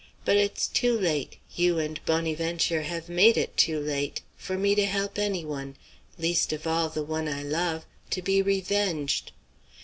But it's too late you and Bonnyventure have made it too late for me to help any one, least of all the one I love, to be revenged."